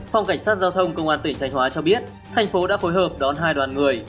phòng cảnh sát giao thông công an tỉnh thanh hóa cho biết thành phố đã phối hợp đón hai đoàn người